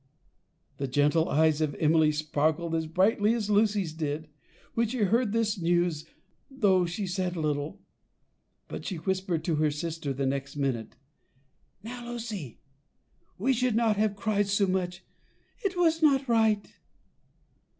The gentle eyes of Emily sparkled as brightly as Lucy's did, when she heard this news, though she said little; but she whispered to her sister, the next minute: "Now, Lucy, we should not have cried so much, it was not right."